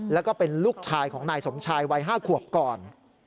แล้วก็เป็นลูกชายของนายสมชายวัย๕ขวบก่อน